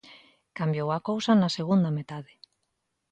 Cambiou a cousa na segunda metade.